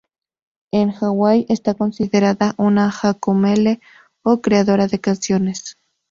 En Hawái está considerada una "haku mele", o creadora de canciones.